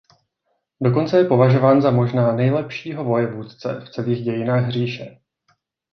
Dokonce je považován za možná nejlepšího vojevůdce v celých dějinách říše.